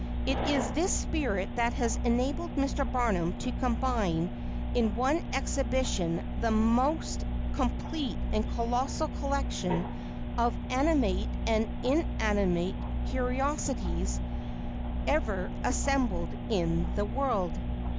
It is this spirit that has enabled Mr. Barnum to combine in one exhibition the most complete and colossal collection of animate and inanimate curiosities ever assembled in the world.